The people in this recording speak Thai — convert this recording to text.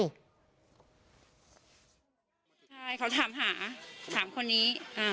ใช่เขาถามหาถามคนนี้